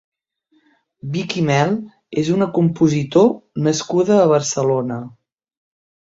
Bikimel és una compositor nascuda a Barcelona.